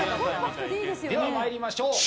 では参りましょう。